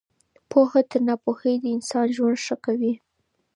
پوهه تر ناپوهۍ د انسان ژوند ښه کوي.